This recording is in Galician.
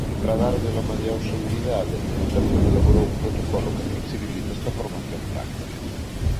Para darlles a maior seguridade, Educación elaborou un protocolo que flexibiliza esta formación práctica.